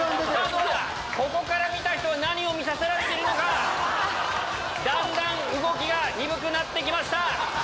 ここから見た人は何を見させられているのか⁉だんだん動きが鈍くなって来ました。